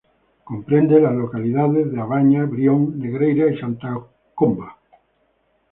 Comprende las localidades de A Baña, Brión, Negreira y Santa Comba.